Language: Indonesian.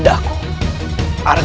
tidak ada alasan